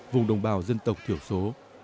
vùng đồng bào dân tộc thiểu số